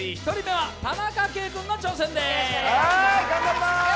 １人目は田中圭君が挑戦です。